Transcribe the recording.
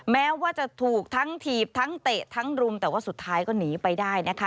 แม้ว่าจะถูกทั้งถีบทั้งเตะทั้งรุมแต่ว่าสุดท้ายก็หนีไปได้นะคะ